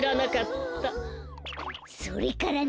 それからね。